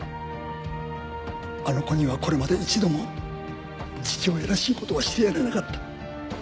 あの子にはこれまで一度も父親らしい事はしてやれなかった。